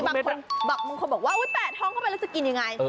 บางคนบอกบางคนบอกว่าแปะท้องเข้าไปแล้วจะกินยังไง